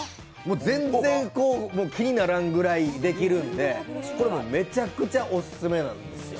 全然、気にならんぐらいにできるんでこれ、めちゃくちゃオススメなんですよ。